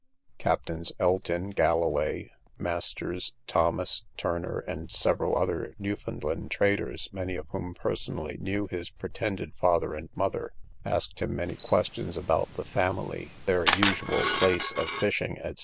Captains Elton, Galloway, Masters, Thomas, Turner, and several other Newfoundland traders, many of whom personally knew his pretended father and mother, asked him many questions about the family, their usual place of fishing, &c.